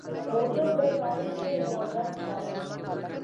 موټر د ښاري ژوند یوه برخه ده.